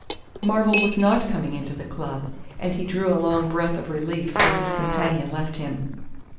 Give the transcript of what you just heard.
Marvell was not coming into the club, and he drew a long breath of relief as his companion left him.